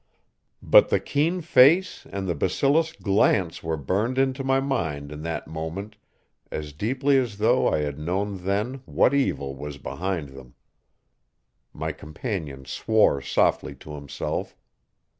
But the keen face, and the basilisk glance were burned into my mind in that moment as deeply as though I had known then what evil was behind them. My companion swore softly to himself.